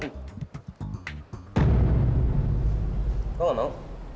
kok nggak mau